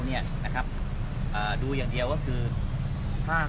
ไม่ใช่นี่คือบ้านของคนที่เคยดื่มอยู่หรือเปล่า